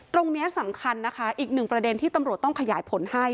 ตรงนี้สำคัญนะคะอีกหนึ่งประเด็นที่ตำรวจต้องขยายผลให้